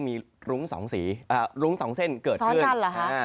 มีรุ้งสองเส้นเกิดขึ้น